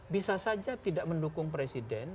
bisa saja tidak mendukung presiden